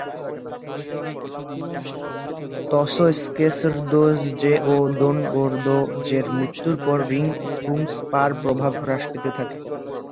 গ্ত্সো-স্ক্যেস-র্দো-র্জে ও দোন-য়োদ-র্দো-র্জের মৃত্যুর পর রিং-স্পুংস-পার প্রভাব হ্রাস পেতে থাকে।